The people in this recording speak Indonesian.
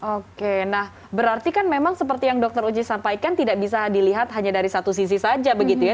oke nah berarti kan memang seperti yang dokter uji sampaikan tidak bisa dilihat hanya dari satu sisi saja begitu ya